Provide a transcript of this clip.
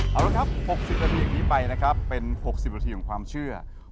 เอาละครับ๖๐นาทีอย่างนี้ไปนะครับเป็น๖๐นาทีของความเชื่อ